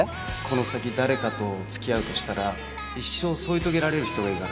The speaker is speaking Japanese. この先誰かと付き合うとしたら一生添い遂げられる人がいいからさ。